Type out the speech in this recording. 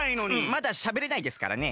まだしゃべれないですからね。